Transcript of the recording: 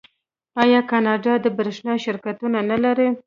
آیا کاناډا د بریښنا شرکتونه نلري؟